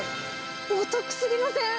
お得すぎません？